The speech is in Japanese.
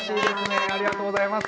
ありがとうございます。